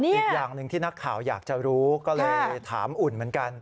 อีกอย่างหนึ่งที่นักข่าวอยากจะรู้ก็เลยถามอุ่นเหมือนกัน